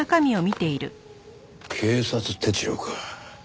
警察手帳か。